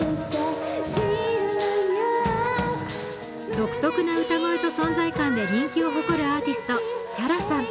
独特な歌声と存在感で人気を誇るアーティスト・Ｃｈａｒａさん。